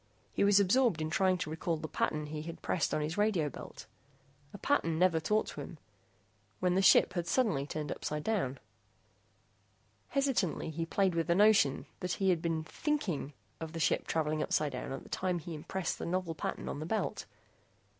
He was absorbed in trying to recall the pattern he had pressed on his radio belt a pattern never taught to him when the ship had suddenly turned upsidedown. Hesitantly, he played with the notion that he had been thinking of the ship traveling upsidedown at the time he impressed the novel pattern on the belt.